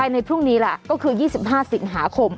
ในพรุ่งนี้ล่ะก็คือ๒๕สิงหาคม